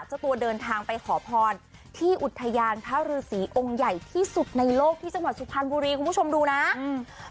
เจ้าตัวเดินทางไปขอพรที่อุทยานพระฤษีองค์ใหญ่ที่สุดในโลกที่จังหวัดสุพรรณบุรีคุณผู้ชมดูนะอืม